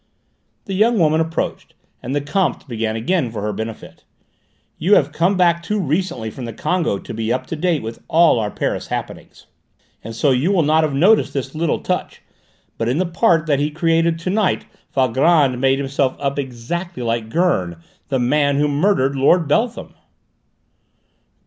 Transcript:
The young woman approached, and the Comte began again for her benefit. "You have come back too recently from the Congo to be up to date with all our Paris happenings, and so you will not have noticed this little touch, but in the part that he created to night Valgrand made himself up exactly like Gurn, the man who murdered Lord Beltham!"